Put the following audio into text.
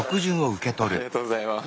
ありがとうございます。